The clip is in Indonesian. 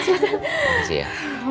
terima kasih ya